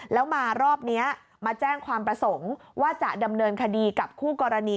แล้วมารอบนี้มาแจ้งความประสงค์ว่าจะดำเนินคดีกับคู่กรณี